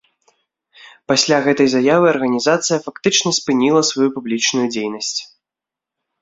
Пасля гэтай заявы арганізацыя фактычна спыніла сваю публічную дзейнасць.